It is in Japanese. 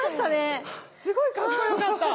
すごいかっこよかった。